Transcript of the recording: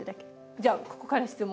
じゃあここから質問。